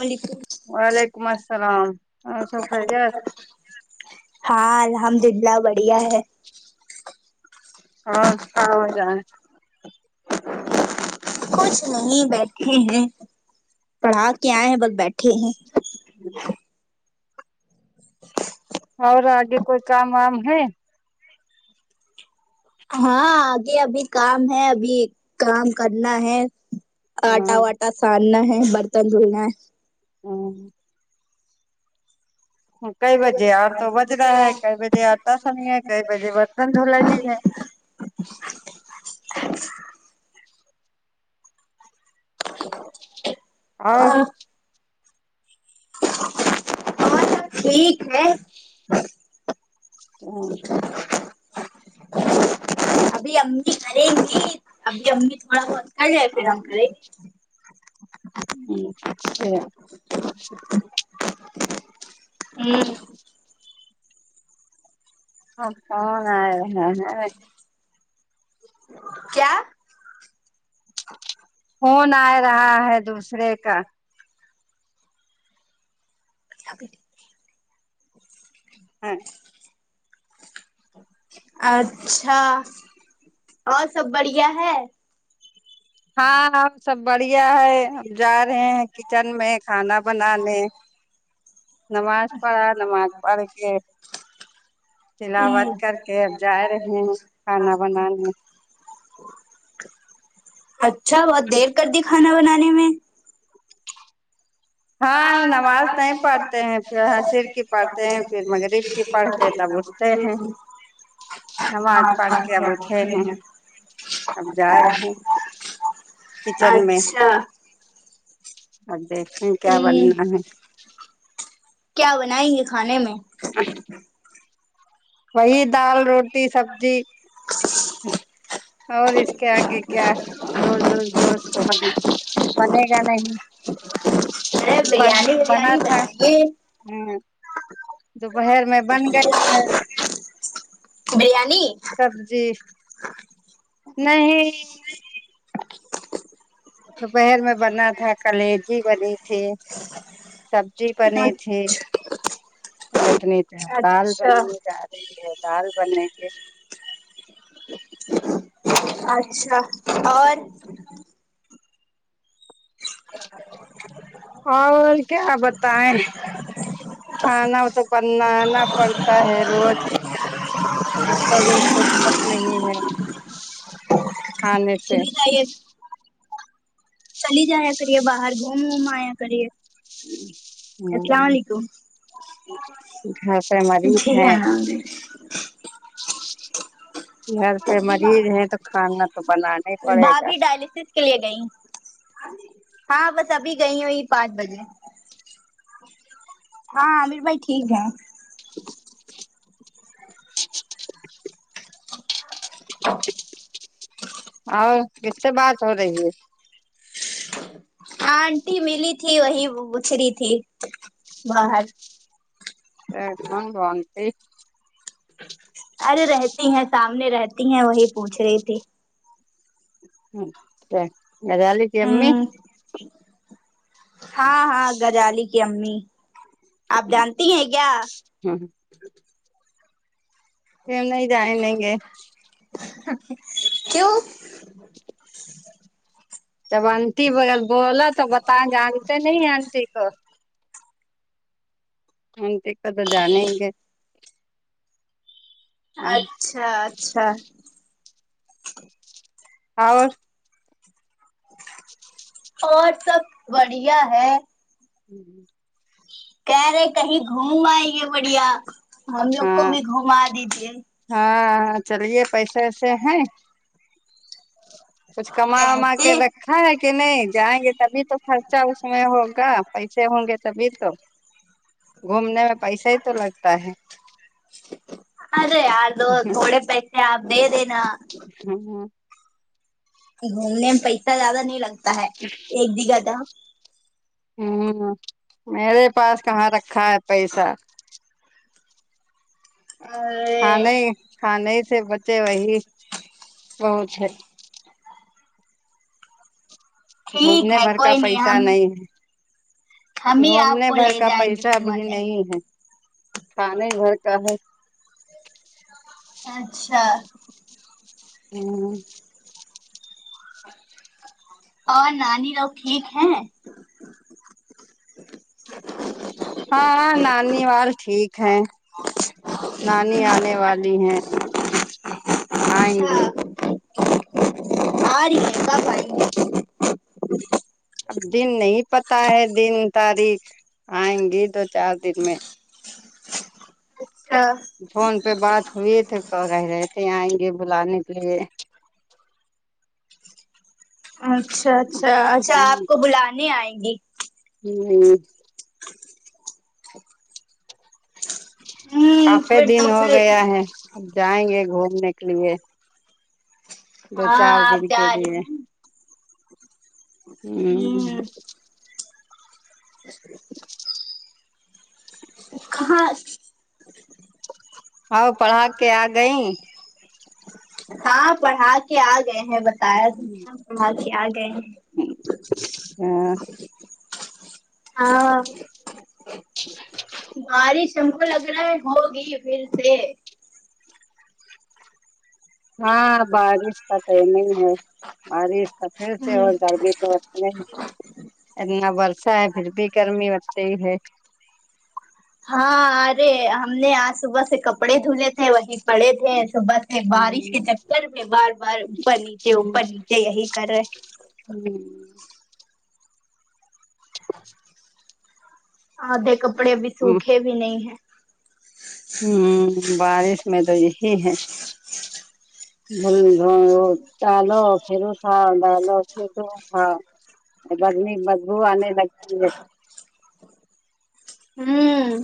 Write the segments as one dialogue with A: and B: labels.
A: علیکم
B: وعلیکم السلام اور سب خیریت
A: ہاں الحمد للہ بڑھیا ہے
B: آج کا ہورا ہیں
A: کچھ نہیں بیٹھے ہیں پڑھا کے آئے ہیں بس بیٹھے ہیں
B: [unintelligible] اور آگے کوئی کام وام ہے
A: ہاں آگے ابھی کام ہے ابھی کام کرنا ہے آٹا
B: ہاں
A: واٹا ساننا ہے برتن دھلنا ہے
B: ہاں ہاں کئی بجے آٹھ تو بج رہا ہے کئی بجے آٹا سن ہے کئی بجے برتن دھولا جی ہے اور
A: [unintelligible] ٹھیک ہیں
B: فون
A: ابھی امی کریں گی ابھی امی تھوڑا بہت [unintelligible]
B: [unintelligible]
A: ہوں
B: [unintelligible]
A: کیا
B: فون آ رہا ہے دوسرے کا
A: [inaudible]
B: ہاں
A: اچھا اور سب بڑھیا ہے
B: ہاں ہم سب بڑھیا ہے ہم جا رہے ہیں کچن میں کھانا بنانے نماز پڑھا نماز پڑھ کے تلاوت
A: ہوں
B: کر کے اب جا رہے ہیں کھانا بنانے
A: اچھا بہت دیر کر دی کھانا بنانے میں ہاں نماز نہیں پڑھ
B: پڑھتے ہیں پھر حسر کی پڑھتے ہیں
A: رے
B: پھر مغرب کی پڑھ کے تب اٹھتے ہیں نماز پڑھ کے اب اٹھے ہیں اب جا
A: [unintelligible]
B: رہے ہیں
A: [unintelligible] [inaudible]
B: کچن میں آج دیش میں کیا بنی ہے
A: کیا بنائیں گے کھانے میں
B: [unintelligible] وہی دال روٹی سبزی اور اسکے آگے کیا روز روز روز موبائل پڑھے گا نہیں
A: ارے
B: بن
A: بریانی
B: بنا
A: بریانی
B: تھا
A: بنائیے
B: ہمم دوپہر میں بن گئے ہیں
A: بریانی
B: سبزی نہیں دوپہر میں بننا تھا کلیجی بنی تھی سبزی بنی
A: اچھا
B: تھی اتنی دال بننی جا رہی ہے دال بنے گے
A: اچھا اور [unintelligible]
B: ہاں اور کیا بتاے کھانا تو بننا ہے پڑتا ہے روز ایک تو دن فرصت نہیں ہے کھانے سے
A: چلی جائیے چلی جایا کریے باہر گھوم ووم آیا کریے السلام
B: ہوں
A: علیکم [inaudible]
B: گھر سے مریض
A: جی
B: ہیں
A: ہاں
B: گھر پہ مریض ہے تو کھانا تو بنانا ہی پڑے گا
A: بھابھی ڈائلسس کے لیے گئی ہاں بس ابھی گئی وہی پانچ بجے ہاں عامر بھائی ٹھیک ہے
B: اور کس سے بات ہو رہی ہے
A: آنٹی ملی تھی وہی پوچھ ری تھی باہر
B: ا [unintelligible]
A: ارے رہتی ہیں سامنے رہتی ہیں وہی پوچھ رہی تھی
B: ہوں
A: ہوں ہاں ہاں گجالی کی امی آپ جانتی ہے کیا
B: ہوں پھ ہم نہیں جائیں لیں گے
A: کیوں
B: جب آنٹی بیر بولا تو بتائیں جانتے نہیں آنٹی کو اونتے کو تو جانیں گے ہاں
A: اچھا اچھا
B: اور
A: اور سب بڑھیا ہے
B: ہوں ہوں
A: کہہ رہے کہیں گھوم آئی ہے بڑھیا ہم لوگ کو بھی گھما دیجے
B: ہاں ہاں چلیے پیسے ویسے ہیں کچھ کما وما کے
A: کیسے
B: رکھ کھایا کہ نہیں جائیں گے تبھی تو خرچہ اس میں ہوگا پیسے ہوں گے تبھی تو گھومنے میں پیسہ ہی تو لگتا ہے
A: ارے یار دو تھوڑے پیسے اپ دے دینا
B: ہاں ہ
A: گھومنے میں پیسہ زیادہ نہیں لگتا ہے ایک دگا دا
B: ہوں میرے پاس کہاں رکھا ہے پیسہ
A: ارے
B: کھانے کھانے سے بچے وہی بہت ہے
A: ٹھیک
B: گھومنے
A: ہے
B: بھر کا
A: کوئی
B: پیسہ
A: ہم
B: نہیں ہے
A: ہم ہی آپ
B: گھومنے
A: کو
B: بھر
A: لے
B: کا
A: جائیں گے
B: پیسہ بھی
A: گھمانے
B: نہیں ہے کھا نہیں بھرکا ہے
A: اچھا
B: ہاں
A: اور نانی لوگ ٹھیک ہیں
B: ہاں ہاں نانی وال ٹھیک ہے نانی آنے والی ہے آئیں گے
A: آاری ہے کا بائی
B: اب دن نہیں پتا ہے دن تاریخ آئیں گی دو چار دن میں
A: ہاں
B: فون پہ بات ہوئی تھے کہہ رہے تھے آئیں گے بلانے کے لیے
A: اچھا اچھا اچھا آپ کو بلانے آئیں گی
B: ہوں
A: ہوں
B: کافی
A: پھر
B: دن
A: تو
B: ہو
A: پھر
B: گیا ہے اب جائیں گے گھومنے کے لیے دو
A: ہاں
B: چار
A: آپ
B: دن کے
A: جارہی
B: لیے ہوں
A: کہاں
B: ہؤ پڑھا کے آ گئی
A: ہاں پڑھا کے آ گئے ہیں بتایا توتھا پڑھا کے آ گئے ہیں
B: ہاں
A: ہاں وا بارش ہم کو لگ رہا ہے ہوگی پھر سے
B: ہاں بارش کا تو نئی ہے ارش کا پھر سے
A: ہوں
B: اور گرمی تو نہیں اتنا برسہ ہے پھر بھی گرمی ہوتی ہی ہے
A: ہاں ارے ہے ہم نے آج صبح سے کپڑے دھونے تھے وہی پڑے تھے صبح سے بارش کے
B: ہ
A: چکر میں بار بار اوپر ن یہ اوپر نیچے یہی کر رہے
B: [unintelligible]
A: آدھے کپڑے ابھی سوکھے بھی نہیں ہے
B: ہوں بارش میں تو یہی ہے وہ ڈالو پھرو تھا ڈالو پھر اٹھو ہاں گندی بدبو انے لگتی ہے
A: ہوں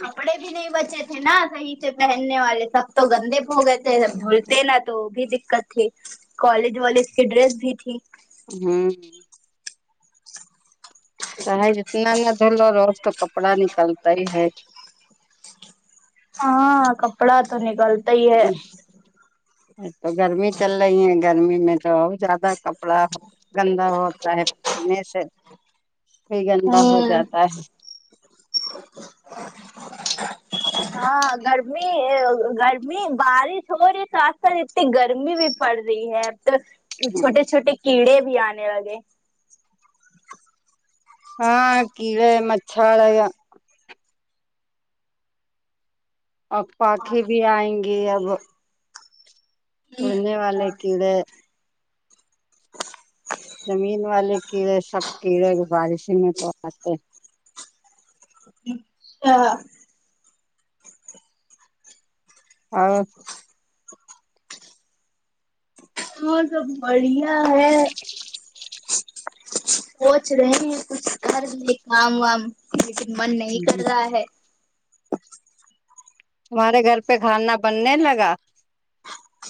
A: کپڑے بھی نہیں بچے تھے نا صحیح سے پہننے والے سب تو گندے پھو گئے تھے کے جب دھوی نا تو بھی دقت تھی کالج والے اس کی ڈریس بھی تھی
B: ہوں ہے جتنا نہ دھ لو روز تو کپڑا نکلتا ہی ہے
A: ہاں کپڑا تو نکلتا ہی ہے
B: ایک تو گرمی چل لہی ہیں گرمی میں تو اور جیادہ کپڑا گندا ہوتا ہے پنے سے پھر یہ گندا ہو
A: ہوں
B: جاتا ہے
A: ہاں گرمی گرمی بارش ہو رہی ہے سات ساتھ اتنی گرمی بھی پڑ رہی ہے اب تو چھوٹے چھوٹے کیڑے بھی آنے لگے
B: ہاں کیڑے مچھڑ ایا اب پااکے بھی آئیں گی اب اڑنے والے کیڑے زمین والے کیڑے سب کیڑے بارشی میں تو آتے ہیں
A: ہا
B: اور
A: وہ سب بڑھیا ہے سوچ رہے ہیں کچھ کر لے کام وام لیکن من نہیں کر رہا ہے
B: تمہارے گھر پہ کھانا بننے لگا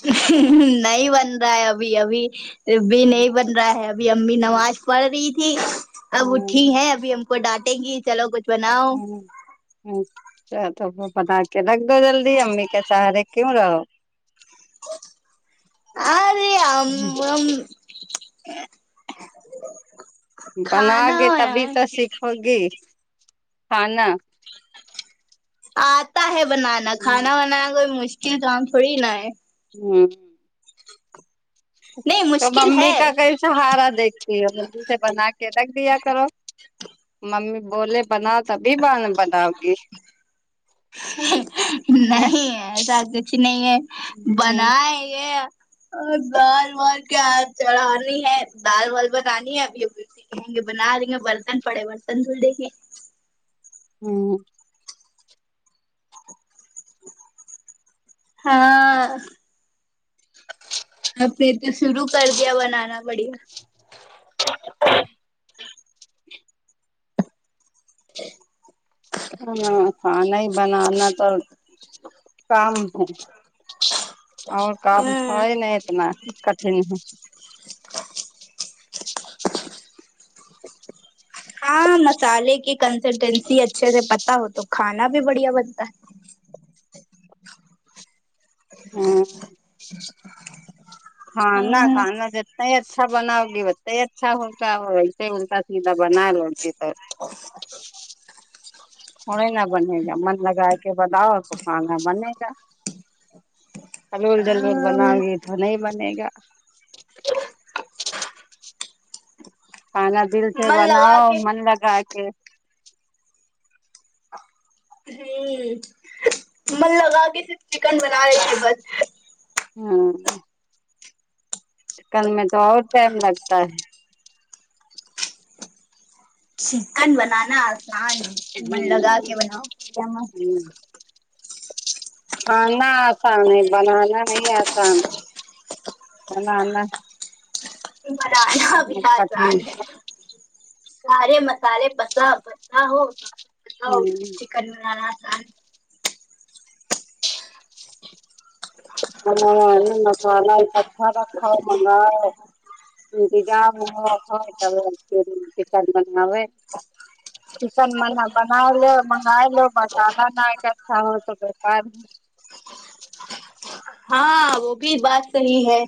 A: نہیں بن رہا ہے ابھی ابھی ا بھی نہیں بن رہا ہے اب ابھی امی نماز پڑھ رہی تھی اب
B: ہاں
A: اٹھی ہیں ابھی ہم کو ڈانٹیں گی چلو کچھ بناؤ
B: ہوں ا تو بنا کے رکھ دو جلدی امی کے سہارے کیوں رہو
A: ارے ہم ہم کھانا
B: بناؤگے تبھی تو سیکھو گی کھانا
A: آتا ہے بنانا کھانا بنانا کوئی مشکل کام تھوڑی نا ہے
B: ہمم
A: نہیں
B: تو
A: مشکل
B: ممی کا
A: ہے
B: کئی سہارا دیکھتی ہو جلدی سے بنا کے رکھ دیا کرو ممی بولے بناؤ تبھی بناؤ گی
A: نہیں ایسا کچھ نہیں ہے بنا ہے گ اور دال وال کیا چڑھانی ہے دال وال بنانی ہے ابھی ابھی کہیں گے بنا رہی ہیں برتن پڑے برتن دھڑے گے
B: ہوں
A: ہاں آپ نے تو شرو کر دیا بنانا بڑھیا
B: [inaudible] ہاں کھانا ہی بنانا تو کام ہے اور کام تھا
A: ہاں
B: ہی نہیں اتنا کٹھن ہے
A: ہاں مسالے کی کنسلٹینسی اچھے سے پت ہو تو کھانا بھی بڑھیا بنتا ہے
B: ہم ہاں نہ کان نہا نہیں اچھا بناؤ گی بتتے ہی اچھا ہوکا وسے الٹا سیدھا بنا لو گی تو
A: [inaudible]
B: کہیں نہیں بنے گا من لگا کے بناؤ تو کھانا بنے گا ارول جلور بناؤں گی تو نہیں بنے گا کانا دل سے
A: من لگا
B: بناؤ
A: کے
B: من لگا کے
A: تھیک ہوں من لگا کے صرف چکن بنا لیتے بس
B: ہاں چکن میں تو اور ٹائم لگتا ہے
A: چکن بنانا آسان ہے من لگا کے بناؤ ب
B: کھانا آسان ہے بنانا نہیں آسان بنا نہ
A: بنانا بھی اسان ہے سارے مسا لے بسا بسا ہو سب ک ا
B: مسالہ
A: چکن بنانا تھا
B: مسالہ ایک اچھا رکھا منگاؤ [unintelligible] [unintelligible] چکن م بنا لو منگا لو مسالہ نہ اچھا ہو تو بیکار ہو
A: ہاں وہ بھی بات صحیح ہے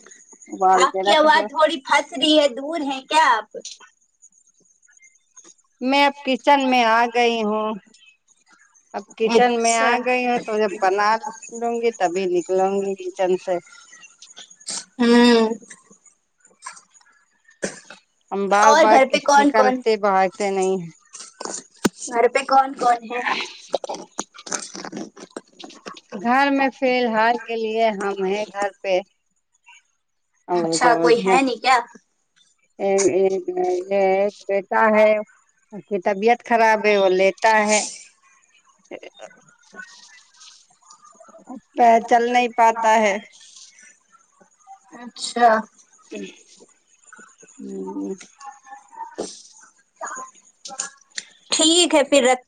B: ابال
A: آپ
B: کے
A: کی
B: رکھ
A: آواز
B: دو
A: تھوڑی ہنس رہی ہے دور ہیں کیا آپ
B: میں اب کچن میں آ گئی ہوں اب کچن میں آ
A: اچھا
B: گئی ہو تو جب بنا لوں گی تبھی نکلوں گی کچن سے
A: ہوں
B: ہم بار
A: اور
B: بار
A: گھر
B: ک
A: پہ کون کون
B: نکلتے بگتے نہیں ہیں
A: گھر پہ کون کون ہے
B: گھر میں فلحال کے لیے ہم ہیں گھر پہ
A: اچھا کوئی ہے نہیں
B: [unintelligible]
A: کیا
B: ایک [unintelligible] بیٹا ہے کہ طبیعت خراب ہے وہ لیٹا ہے آ اٹھتا ہے چل نہیں پاتا ہے
A: وں
B: ہوں
A: ٹھیک ہے پھر رکھ